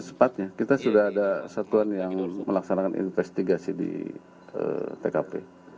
sepatnya kita sudah ada satuan yang melaksanakan investigasi di tkp